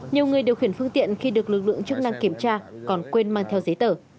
nhiều người điều khiển phương tiện khi được lực lượng chức năng kiểm tra còn quên mang theo giấy tờ